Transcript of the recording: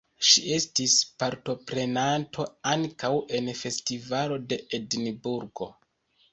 Ŝi estis partoprenanto ankaŭ en festivalo de Edinburgo.